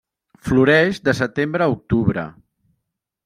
Floreix de setembre a octubre.